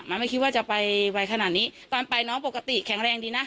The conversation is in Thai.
มันไม่คิดว่าจะไปไวขนาดนี้ตอนไปน้องปกติแข็งแรงดีนะ